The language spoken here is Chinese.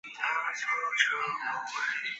利梅雷默诺维尔。